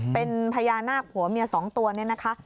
เป็นพญานาคผัวเมีย๒ตัวเนี่ยนะคะ